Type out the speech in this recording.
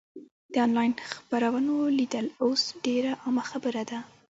د انلاین خپرونو لیدل اوس ډېره عامه خبره ده.